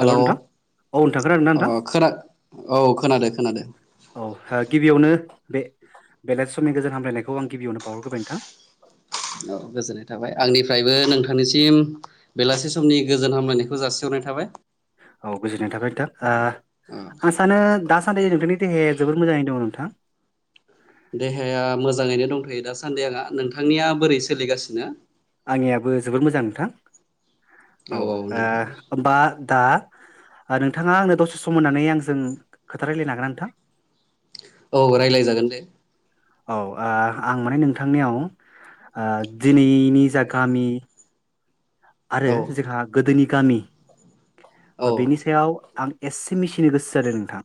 Hello नोंथां। औ नोंथां खोनादोंना अ नोंथां खोना- औ खोनादो खोनादो। औ ओ गिबियावनो बे बेलासे समनि गोजोन हामलायनायखौ आं गिबियावनो बावहरग्रोबाय नोंथां। औ गोजोननाय थाबाय आंनिफ्रायबो नोंथां नोंथांनिसिम बेलासि समनि गोजोन हामलायनायखौ जासिहरनाय थाबाय। औ गोजोननाय थाबाय नोंथां ओ ओ आं सानो दासान्दि नोंथांनि देहाया जोबोर मोजाङै दङ नोंथां। देहाया मोजाङैनो दंथ'यो दासान्दि आंहा नोंथांनिया बोरै सोलिगासिनो? आंनियाबो जोबोर मोजां नोंथां औ ओ ओमबा दा ओ नोंथाङा आंनो दसे सम होननानै आंजों खोथा रायलायनो हागोनना नोंथां? औ रायज्लाय जागोन दे औ आं माने नोंथांनियाव दिनैनि जा गामि आरो औ जोंहा गोदोनि गामि औ बेनि सायाव आं एसे मिथिनो गोसो जादों नोंथां।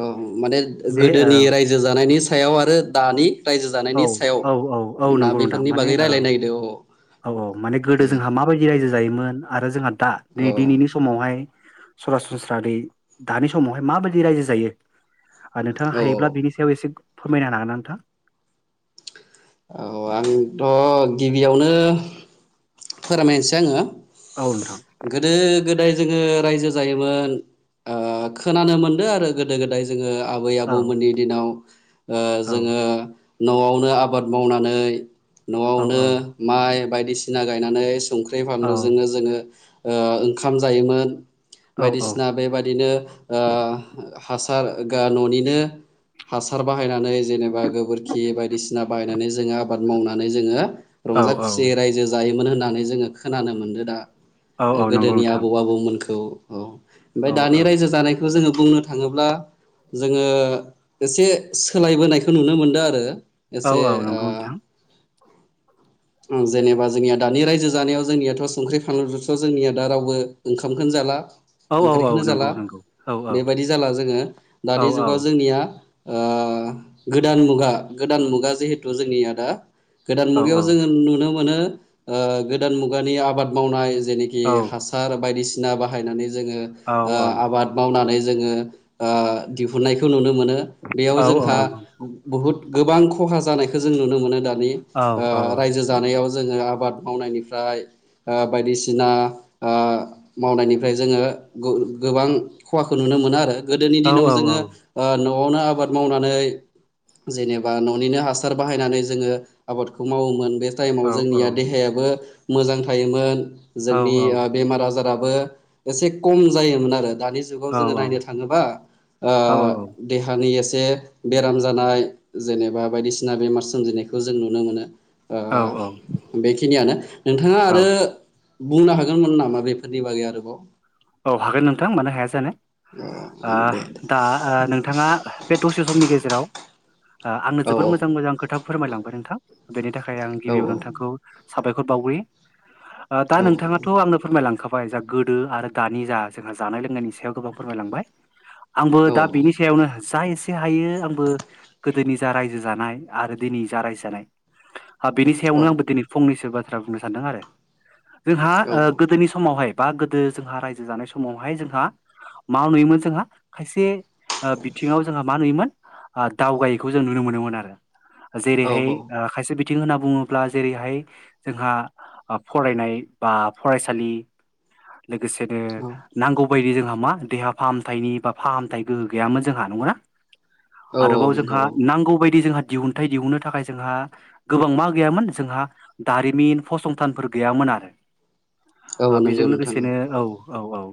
औ माने जे ओ गोदोनि रायजो जानायनि सायाव आरो दानि रायजो औ जानायनि सायाव औ औ औ ना नंगौ नोंथां बेफोरनि माने बागै औ रायज्लायनो नागिरदों औ औ औ माने गोदो दे जोंहा माबायदि रायजो जायोमोन आरो जोंहा दा न औ दिनैनि समावहाय सरासनस्रा नै दानि समावहाय माबायदि रायजो जायो आरो नोंथाङा औ हायोब्ला बिनि सायाव एसे फोरमायना होन हागोन नोंथां औ आंथ' गिबियावनो फोरमायनोसै आङो औ नोंथां गोदो गोदाय जोङो रायजो जायोमोन खोनानो मोनदों आरो गोदो गोदाय जोङो आबै औ आबौमोननि दिनाव औ जोङो न'आवनो आबाद मावनानै औ औ न'आवनो माइ बायदिसिना गायनानै संख्रि फानलुजोंनो जोङो ओंखाम जायोमोन औ बायदिसिना बेबादिनो हासार न'निनो हासार बाहायनानै जेनेबा गोबोरखि बायदिसिना बायनानै जोङो आबाद मावनानै जोङो औ रंजा खुसियै रायजो जायोमोन होननानै जोङो खोनानो मोनदों दा औ औ नंगौ गोदोनि नोंथां आबौ आबौमोनखौ औ ओमफफ्राय औ दानि औ रायजो जानायखौ जोङो बुंनो थाङोब्ला जोङो एसे सोलायबोनायखौ नुनो मोनदों आरो औ एसे औ नंगौ नोंथां जेनेबा जोंनिया दानि रायजो जानायाव जोंनियाथ' संख्रि फानलुथ' जोंनिया दा रावबो ओंखामखौनो जाला औ औ औ ओंख्रिखौनो नंगौ जाला नंगौ औ औ बेबायदि जाला जोङो औ दानि औ जुगाव जोंनिया गोदान मुगा गोदान मुगा जिहेथु जोंनियादा गोदान औ मुगायाव जोङो नुनो मोनो गोदान मुगानि आबाद मावनाय जेनेखि औ हासार बायदिसिना बाहायनानै जोङो औ आबाद मावनानै ज जोङो दिहुननायखौ नुनो मोनो बेयाव जोंहा नंगौ बहुद गोबां खहा जानायखौ जों नुनो मोनो दानि औ औ रायजो जानायाव जोङो आबाद मावनायनिफ्राय बायदिसिना मावनायनिफ्राय जोङो गोबां खहाखौ नुनो मोन नुनो मोन आरो गोदोनि औ दिनाव जोङो न'आवनो आबाद मावनानै जेनेबा न'निनो हासार बाहायनानै जोङो आबादखौ मावोमोन बे औ जोंनिया देहायो मोजां थायोमोन जोंनि औ औ बेमार आजाराब एसे खम जायोमोन आरो दानि जुगाव औ जोङो नायनो थाङोबा औ देहानि एसे एसे बेराम जानाय जेनेबा बायदिसिना बेमार सोमजिनायखौ जों नुनो औ औ मोनो बेखिनियानो नोंथाङा औ आरो बुंनो हागोनमोन नामा बेफोरनि बागै आरोबाव औ हागोन नोंथां मानो हाया जानो ओ दे दे दा नोंथाङा बे दसे समनि गेजेराव आंनो औ जोबोर मोजां मोजां खोथा फोरमायलांबाय नोंथां बेनि थाखाय आं औ गिबियाव नोंथांखौ साबायखर बावग्रि दा औ नोंथाङाथ' आंनो फोरमायलांखाबाय जा गोदो आरो दानि जा जोंहा जानाय लोंनायनि सायाव गोबां फोरमायलांबाय आंबो दा औ बिनि सायावनो जाय एसे हायो आंबो गोदोनि जा रायजो जानाय आरो दिनै जा रायजो जानाय बेनि औ सायावनो आंबो दिनै फंनैसो बाथ्रा बुंनो सानदों आरो जोंहा औ गोदोनि समावहाय बा गोदो जोंहा रायजो जानाय समावहाय जोंहा मा नुयोमोन जोंहा खायसे बिथिङाव जोंहा मा नुयोमोन दावगायैखौ जों नुनो मोनोमोन आरो औ जेरैहाय खायसे बिथिं होनना बुङोब्ला जेरैहाय जोंहा फरायनाय बा फरायसालि लोगोसेनो नांगौ बायदि जोंहा मा देहा फाहामथायनि बा फाहामथाय गोहो गैयामोन जोंहा नंगौ ना औ औ आरोबाव नंगौ जोंहा नांगौ बायदि जोंहा दिहुनथाइ दिहुननो थाखाय जोंहा गोबां मा गैयामोन जोंहा दारिमिन फसंथानफोर गैयामोन आरो ओ औ बेजों नंगौ नोंथां लोगोसेनो औ औ औ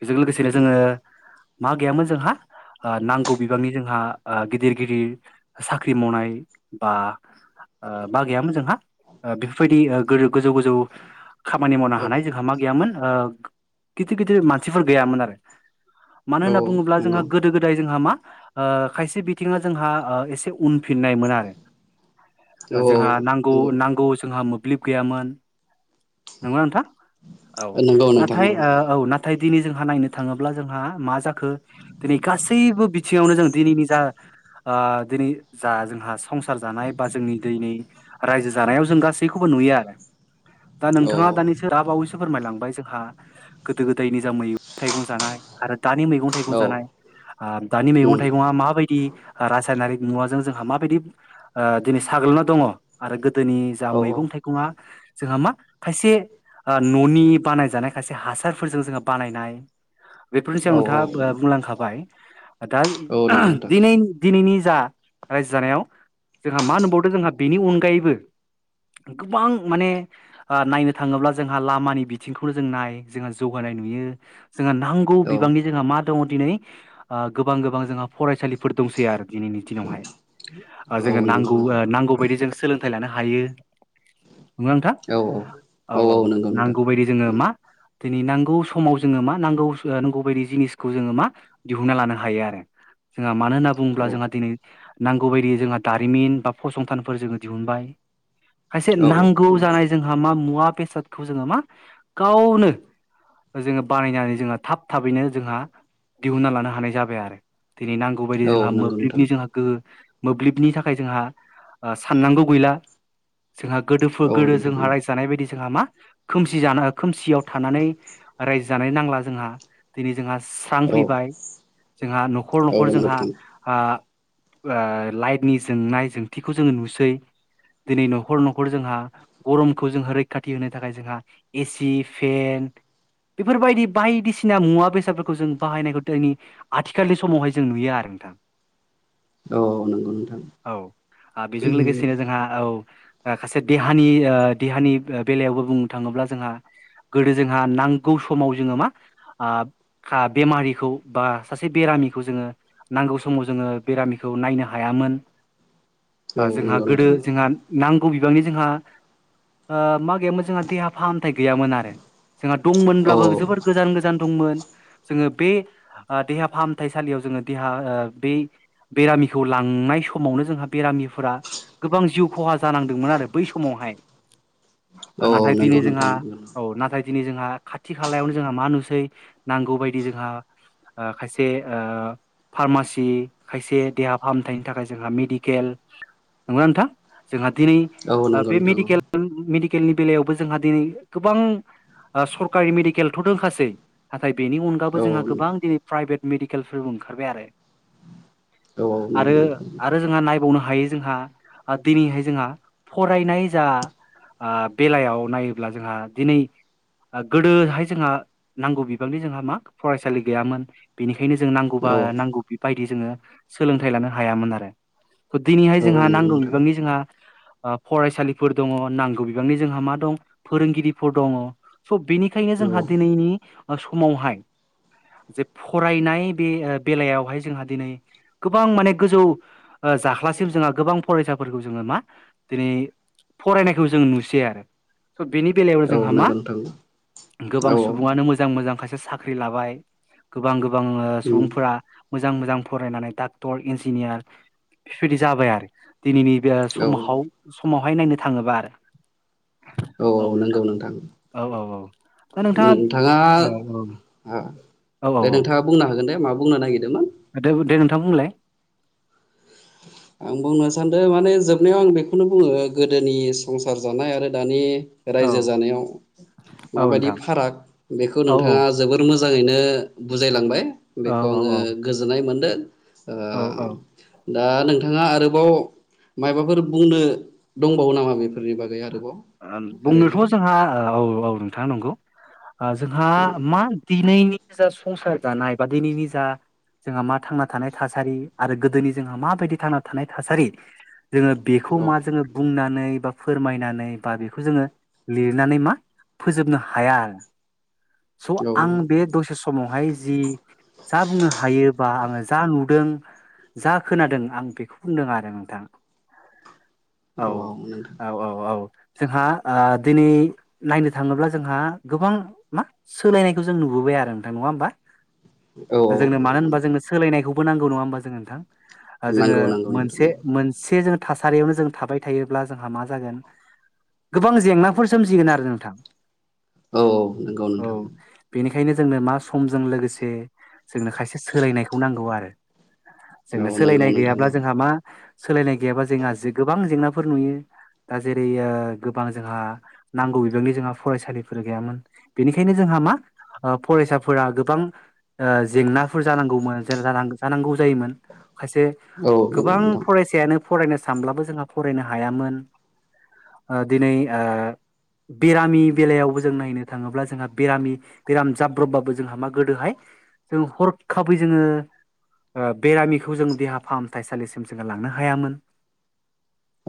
बेजों लोगोसेनो जोङो मा गैयामोन जोंहा नांगौ बिबांनि जोंहा गिदिर गिदिर साख्रि मावनाय बा बा गैयामोन जोंहा बेफोरबायदि गोजौ गोजौ खामानि मावनो औ हानाय जोंहा मा गैयामोन गिदिर गिदिर मानसिफोर गैयामोन आरो मानो औ होनना बुङोब्ला जोंहा नंगौ गोदो गोदाय जोंहा मा ओ खायसे बिथिङा जोंहा ओ एसे उनफिननायमोन आरो औ जोंहा नांगौ नंगौ नांगौ जोंहा मोब्लिब गैयामोन नंगौना नोंथां औ नंगौ नोंथां नाथाय औ नंगौ नाथाय दिनै जोंहा नायनो थाङोब्ला जोंहा मा जाखो दिनै गासैबो बिथिङावनो जों दिनैनि जा दिनै जा जोंहा संसार जानाय बा जोंनि दैनि रायजो जानायाव जों गासैखौबो नुयोआरो दा औ नोंथाङा दानिसो दा बावैसो फोरमायलांबाय जोंहा गोदो गोदायनि जा मैगं थाइगं जानाय आरो दानि मैगं औ थाइगं जानाय दानि मैगं उम थाइगंया माबायदि रासायनारिक मुवाजों जोंहा माबायदि दिनै साग्लोबना दङ आरो गोदोनि जा औ मैगं थाइगंया जोंहा मा खायसे न'नि बानाय जानाय खायसे हासारफोरजों जोङो बानायनाय बेफोरनि सायाव औ नोंथाङा बुंलांखाबाय दा औ नंगौ नोंथां दि दिनैनि जा रायजो जानायाव जोंहा मा होनबावदों जोंहा बेनि अनगायैबो गोबां माने नायनो थाङोब्ला जोंहा लामानि बिथिंखौ नो जों नाय जोंहा जौगानाय नुयो जोंहा नांगौ औ बिबांनि जोंहा मा दङ दिनै गोबां गोबां जों फरायसालि दंसै आरो दिनैनि दिनावहाय औ जों नंगौ नांगौ नोंथां नांगौ बायदि [unintelligible] ज सोलोंथाइ लानो हायो नंगौना नोंथां औ औ औ नंगौ नोंथां औ नांगौ बायदि जोङो मा दिनै नांगौ समाव जोङो मा नांगौ नांगौ बायदि जिनिसखौ जोङो मा दिहुनना लानो हायो आरो जोंहा मानो होनना बुङोब्ला जोंहा दिनै नांगौ बायदियै जोंहा दारिमिन बा फसंथानफोर जोङो दिहुनबाय खायसे औ नांगौ जानाय जोंहा मा मुवा बेसादखौ जोङो मा गावनो जोङो बानायनानै जो थाब थाबैनो जोंहा दिहुनन्ना लानो हानाय जाबाय आरो दिनै नांगौ बायदि औ जोंहा नंगौ नोंथां मोब्लिबनि जोंहा गोहो मोब्लिबनि थाखाय जोंहा साननांगौ गैला जोंहा गोदो औ गोदो जोंहा नोंथां रायजो जानाय बायदि जोंहा मा खोमसि जानो खोमसियाव थानानै रायजो जानाय नांला जोंहा दिनै जोंहा स्रां औ फैबाय जोंहा न'खर औ न'खर नंगौ जोंहा नोंथां ओ लाइटनि जोंनाय जोंथिखौ जोङो नुसै दिनै न'खर न'खर जोंहा गरमखौ जोंङो रैखाथि होनो थाखाय जोंहा एसि, फेन बेफोरबायदि बायदिसिना मुवा बेसादफोरखौ जों बाहायनायखौ दिनि आथिखालनि समावहाय जों नुयो आरो नोंथां। औ नंगौ नोंथां औ बेजों लोगोसेनो जोंहा औ सासे देहानि देहानि बेलायावबो बुंनो थाङोब्ला जोंहा गोदो जोंहा नांगौ समाव जोङो मा बेमारिखौ बा सासे बेरामिखौ जोङो नांगौ समाव जोङो बेरामिखौ नायनो हायामोन जोंहा औ नंगौ गोदो नोंथां जोंहा नांगौ बिबांनि जोंहा ओ मा गैयामोन जोंहा फाहामथायाइ गैयामोन आरो जोंहा दंमोनब्लाबो औ जोबोर गोजान गोजान दंमोन जोङो बे ओ देहा फाहामथायसालियाव जोङो देहा ओ बे बेरामिखौ लांनाय समावनो जोंहा बेरामिफोरा गोबां जिउ खहा जानांदोंमोन आरो बै समावहाय औ औ नाथाय नंगौ दिनै जोंहा नोंथां औ नाथाय दिनै जोंहा खाथि खालायावनो जोंहा मा नुसै नांगौ बायदि जोंहा ओ खायसे ओ फारमासि खायसे देहा फाहामथायनि थाखाय जोंहा मेडिकेल नंगौ ना नोंथां जोंहा दिनै औ ओ बे नंगौ नोंथां मेडिकेल मेडिकेलनि बेलायावबो जोंहा दिनै गोबां ओ सरकारि मेडिकेलथ' दंखासै नाथाय बेनि अनगाबो औ जोंहा औ गोबां दिनै प्राइभेट मेडिकेलफोरबो ओंखारबाय आरो औ आरो आरो जोंहा नायबावनो हा हायो जोंहा ओ दिनैहाय जोंहा फरायनाय जा ओ बेलायाव नायोब्ला जोंहा दिनै ओ गोदोहाय जोंहा नांगौ बिबांनि जोंहा मा फरायसालि गैयामोन बेनि खायनो जों नांगौबा नांगौ बेबायदि जोङो सोलोंथाइ लानो हायामोन आरो दिनैहाय नंगौ जोंहा नांगौ नोंथां बिबांनि जोंहा ओ फरायसालिफोर दङ नांगौ बिबांनि जोंहा मा दं फोरोंगिरिफोर दङ स' बेनिखायनो औ जोंहा दिनैनि ओ समावहाय जे फरायनाय बे ओ बेलायावहाय जोंहा दिनै गोबां माने गोजौ ओ जाख्लासिम जोंहा गोबां फरायसाफोरखौ जोङो मा दिनै फरायनायखौ जों नुसै स' बेनि बेलायावनो औ जोंहा मा नंगौ नोंथां औ गोबां नंगौ नोंथां औ सुबुंङानो मोजां मोजां खायसे साख्रि लाबाय गोबां गोबां ओ उम सुबुंफोरा मोजां मोजां फरायनानै डक्टर इन्जिनियार बेफोरबायदि जाबाय आरो दिनैनि बे औ समहाव समावहाय नायनो थाङोबा आरो औ औ नंगौ नोंथां औ औ औ नोंथाङा औ औ औ दे औ नोंथाङा बुंनो हागोन दे मा बुंनो नागिरदोंमोन थां बुंलाय आं बुंनो सानदो माने जोबनायाव आं बेखौनो बुङो गोदोनि संसार जानाय आरो दानि औ रायजो जानायाव औ माबायदि नोंथां फाराग बेखौ औ नोंथाङा जोबोर मो मोजाङैनो बुजायलांबाय औ बेखौ आङो औ गोजोननाय मोनदों औ ओ दा नोंथाङा आरोबाव माबाफोर बुंनो दंबावो नामा बेफोरनि बागै आरो ओ बुंनोथ' जोंहा औ औ नोंथाङा नंगौ ओ जोंहा औ मा दिनैनि जा संसार जानाय बा दिनैनि जा जोंहा मा थांना थानाय थासारि आरो गोदोनि जोंहा माबायदि थांना थानाय थासारि जोङो बेखौ मा जोङो बुंनानै बा फोरमायनानै बा बेखौ जोङो लिरनानै मा फोजोबनो हाया आरो स' औ आं बे दसे समावहाय जि जा बुंनो हायोबा आङो जा नुदों जा खोनादों आं बेखौ बुंदों आरो नोंथां औ औ औ औ जोंहा ओ दिनै नायनो थाङोब्ला जोंहा गोबां मा सोलायनायखौ जों नुबोबाय आरो नोंथां नङा होमबा औ औ जोंनो मानो नंगौ होमबा नोंथां सोलायनायनायखौ बो नांगौ नङा होमबा जों नोंथां ओ जोङो नांगौ नांगौ नोंथां मोनसे मोनसेजोंङो थासारियावनो जों थाबाय थायोब्ला जोंहा मा जागोन गोबां जेंनाफोर सोमजिगोन आरो नोंथां औ औ नंगौ नोंथां बेखायनो जोंनो मा समजों लोगोसे जोंनो खायसे सोलायनायखौ नांगौ आरो औ जोंनो नंगौ सोलायनाय गैयाब्ला नोंथां जोंहा मा सोलायनाय गैयाबा जोंहा गोबां जेंनाफोर नुयो दा जेरै ओ ओ गोबां जोंहा नांगौ बिबांनि जोंहा फरायसालिफोर गैयामोन बेनिखायनो जोंहा मा फरायसाफोरा गोबां जेंनाफोर जानांगौमोन जानांगौ जायोमोन खायसे औ नंगौ गोबां नोंथां फरायसायानो फरायनो सानब्लाबो जोंहा फरायनो हायामोन दिनै बेरामि बेलायावबो जों नायनो थाङोब्ला जोंहा बेरामि बेराम जाब्रबबाबो जोंहा मा गोदोहाय जों हरखाबै जोङो बेरामिखौ जों देहा फाहामथायसालिसिम जोङो लांनो हायामोन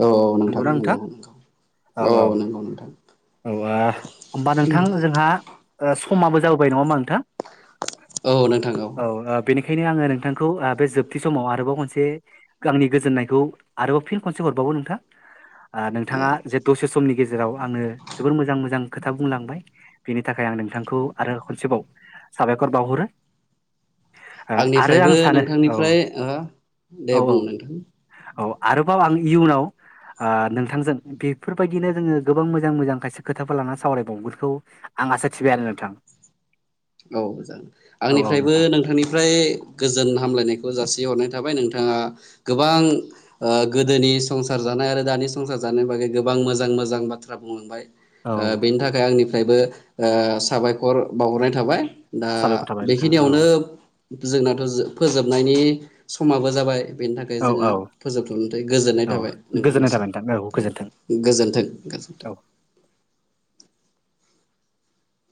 औ नोंथां नंगौ नंगौ औ नंगौ नोंथां औ होमबा नोंथां जोंहा समाबो जाबोबाय नङा होमबा नोंथां औ नोंथां औ बेनिखायनो आङो नोंथांखौ बे जोब थि समाव आरोबाव खनसे आंनि गोजोननायखौ आरोबाव फिन खनसे हरबावो नोंथां। औ नोंथांङा जे दसे समनि गेजेराव आंनो जोबोर मोजां मोजां खोथा बुंलांबाय बेनि थाखाय आं नोंथांखौ आरो खनसेबाव साबायखर बावहरो आरो आंनिफ्रायबो आं सानो औ नोंथांनिफ्राय ओ दे औ बुं औ नोंथां औ आरोबाव आं इयुनाव ओ नोंथांजों बेफोरबायदिनो जोङो गोबां मोजां मोजां खायसे खोथाफोर लानानै सावरायबावगोनखौ आं आसा थिबाय आरो नोंथां। औ जागोन औ औ आंनिफ्रायबो नोंथां नोंथांनिफ्राय गोजोन हामलायनायखौ जासिहरनाय थाबाय नों थांङा गोबां ओ गोदोनि संसार जानाय आरो दानि संसार जानाय बागै गोबां मोजां मोजां बाथ्रा बुंलांबाय औ ओ बेनि थाखाय आंनिफ्रायबो साबायखर बावहरनाय थाबाय दा साबायखर थाबाय नोंथां औ बेखिनियावनो जोंनाथ' फोजोबनायनि समाबो जाबाय बेनि थाखाय औ जोङो औ फोजोबथ'नो गोजोननाय औ थाबाय गोजोननाय नोंथांनिसिम थाबाय नोंथां औ गोजोन्थों गोजोन्थों गोजोन्थों औ